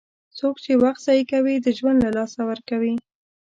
څوک چې وخت ضایع کوي، ژوند له لاسه ورکوي.